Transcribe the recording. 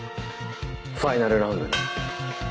ファイナルラウンドに。